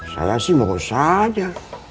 saya sih mau saja